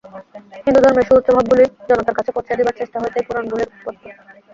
হিন্দুধর্মের সু-উচ্চ ভাবগুলি জনতার কাছে পৌঁছিয়া দিবার চেষ্টা হইতেই পুরাণগুলির উৎপত্তি।